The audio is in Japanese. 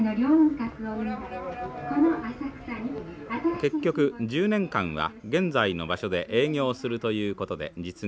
結局１０年間は現在の場所で営業するということで実現したのです。